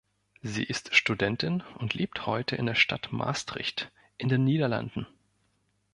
Sie ist Studentin und lebt heute in der Stadt Maastricht in den Niederlanden.